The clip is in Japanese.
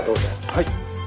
はい。